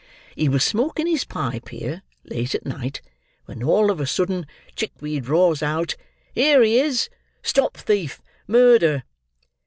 He was smoking his pipe here, late at night, when all of a sudden Chickweed roars out, 'Here he is! Stop thief! Murder!